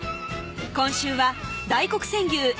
今週は大黒千牛